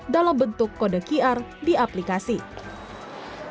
dalam bentuk kode qr di aplikasi